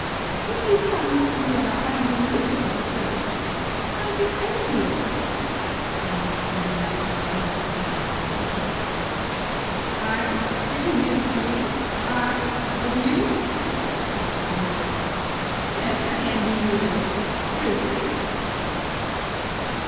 "Can you tell me, señora, why you look at me so? Are you envious?" Doña Victorina was at length able to articulate. "I, envious of you, I, of you?" drawled the Muse. "Yes, I envy you those frizzes!"